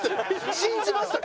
信じましたか？